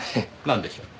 なんでしょう？